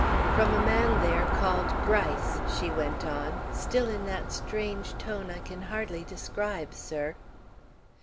"'From a man there, called Gryce,' she went on, still in that strange tone I can hardly describe, sir.